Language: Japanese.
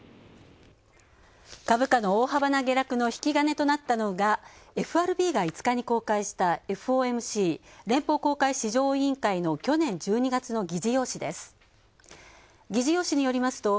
株価の大幅な下落の引き金となったのがＦＲＢが５日に公開したＦＯＭＣ＝連邦公開市場委員会の去年１２月の議事要旨です。